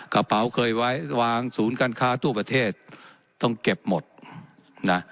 กระเป๋าเคยไว้วางศูนย์การค้าทั่วประเทศต้องเก็บหมดนะ